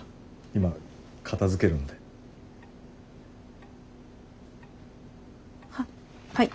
今片づけるんで。ははい！